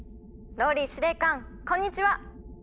☎ＲＯＬＬＹ司令官こんにちは！